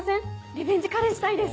リベンジカレーしたいです！